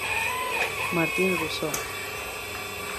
Martin Russo.